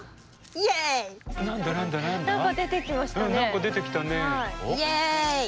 イエイ！